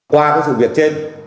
qua các sự việc trên